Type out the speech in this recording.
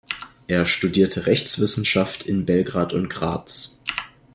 Er studierte Rechtswissenschaft in Belgrad und Graz.